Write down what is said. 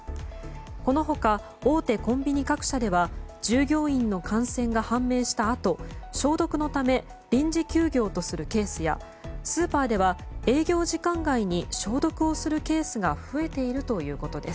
この他、大手コンビニ各社では従業員の感染が判明したあと消毒のため臨時休業とするケースやスーパーでは営業時間外に消毒をするケースが増えているということです。